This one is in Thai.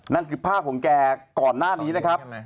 นั่นคือภาพของแกก่อนหน้านี้นะครับ